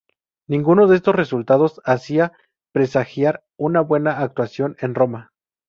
Ninguno de estos resultados hacían presagiar una buena actuación en Roma.